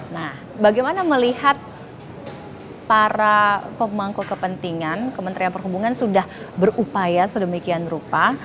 nah bagaimana melihat para pemangku kepentingan kementerian perhubungan sudah berupaya sedemikian rupa